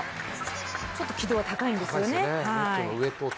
ちょっと軌道が高いんですよね。